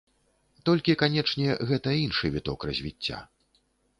Толькі, канечне, гэта іншы віток развіцця.